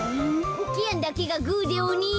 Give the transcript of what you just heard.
コケヤンだけがグーでおに。